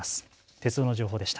鉄道の情報でした。